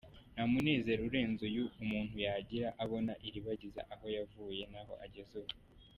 Nta munezero urenze uyu umuntu yagira, abona Ilibagiza aho yavuye n’aho ageze ubu.